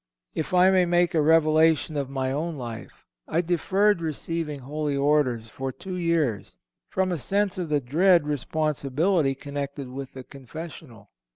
If I may make a revelation of my own life, I deferred receiving Holy Orders for two years, from a sense of the dread responsibility connected with the confessional.